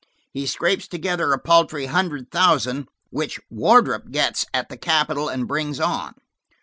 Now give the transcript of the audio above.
He scrapes together a paltry hundred thousand, which Wardrop gets at the capital, and brings on.